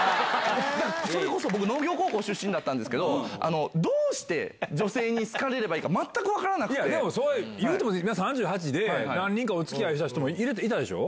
それこそ僕、農業高校出身だったんですけど、どうして女性に好かれればいいか、でも言うても、今３８で、何人かおつきあいした人もいたでしょ？